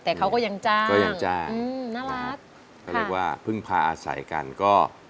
แต่เขาก็ยังจ้างก็ยังจ้างอืมน่ารักเขาเรียกว่าเพิ่งพาอาศัยกันก็